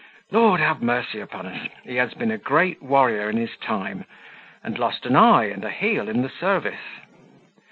Lord have mercy upon us! he has been a great warrior in his time, and lost an eye and a heel in the service.